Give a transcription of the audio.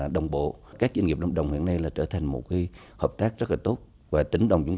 đồng bộ các doanh nghiệp lâm đồng hiện nay là trở thành một hợp tác rất là tốt và tính đồng chúng